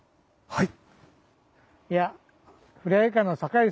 はい。